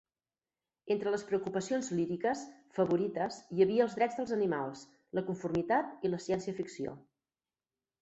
Entre les preocupacions líriques favorites hi havia els drets dels animals, la conformitat i la ciència ficció.